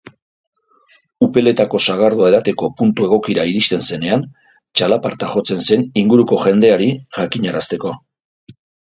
Upeletako sagardoa edateko puntu egokira iristen zenean, txalaparta jotzen zen inguruko jendeari jakinarazteko.